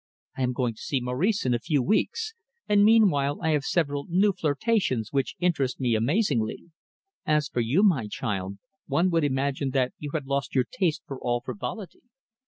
I am going to see Maurice in a few weeks, and meanwhile I have several new flirtations which interest me amazingly. As for you, my child, one would imagine that you had lost your taste for all frivolity.